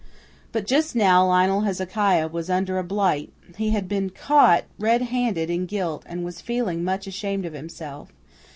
But just now Lionel Hezekiah was under a blight; he had been caught red handed in guilt, and was feeling much ashamed of himself.